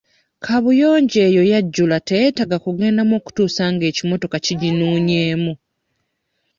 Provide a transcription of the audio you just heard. Kaabuyonjo eyo yajjula teyeetaaga kugendamu okutuusa nga ekimotoka kiginuunyeemu.